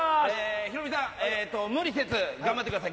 ヒロミさん、無理せず頑張ってください。